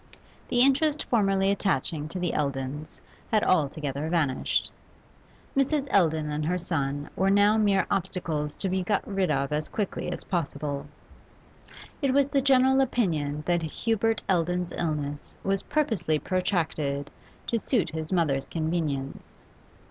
The interest formerly attaching to the Eldons had altogether vanished. Mrs. Eldon and her son were now mere obstacles to be got rid of as quickly as possible. It was the general opinion that Hubert Eldon's illness was purposely protracted, to suit his mother's convenience.